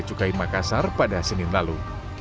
beacukai makassar pada senin lalu